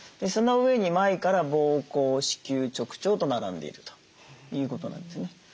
その上に前から膀胱子宮直腸と並んでいるということなんですね。